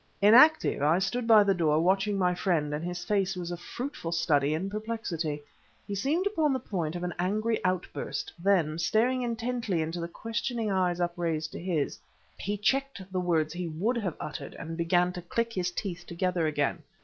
Inactive, I stood by the door watching my friend, and his face was a fruitful study in perplexity. He seemed upon the point of an angry outburst, then, staring intently into the questioning eyes upraised to his, he checked the words he would have uttered and began to click his teeth together again.